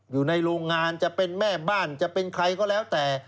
อยู่ในโรงงานจะเป็นแม่บ้านจะเป็นใครก็แล้วแต่